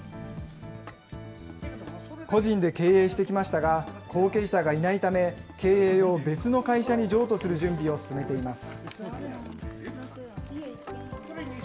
個人で経営してきましたが、後継者がいないため、経営を別の会社に譲渡する準備を進めています。